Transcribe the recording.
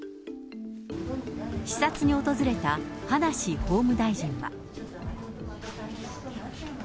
視察に訪れた葉梨法務大臣は。